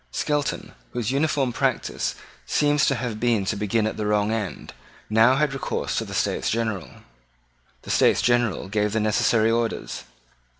Skelton, whose uniform practice seems to have been to begin at the wrong end, now had recourse to the States General. The States General gave the necessary orders.